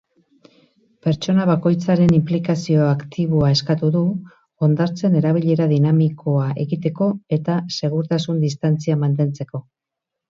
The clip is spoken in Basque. Pertsona bakoitzaren inplikazio aktiboa eskatu du hondartzen erabilera dinamikoa egiteko eta segurtasun-distantzia mantentzeko.